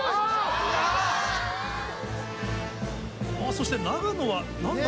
そして長野は何だ？